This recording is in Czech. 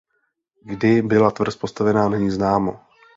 Kdy byla tvrz postavena není známo.